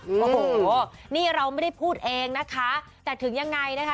โอ้โหนี่เราไม่ได้พูดเองนะคะแต่ถึงยังไงนะคะ